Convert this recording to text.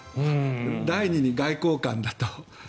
第２に外交官だと。